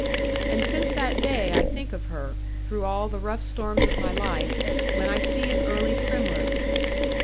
And since that day I think of her, through all the rough storms of my life, when I see an early primrose.